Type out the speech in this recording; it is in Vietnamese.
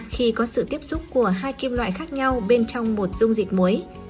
khi có sự tiếp xúc của hai kim loại khác nhau bên trong một dung dịch muối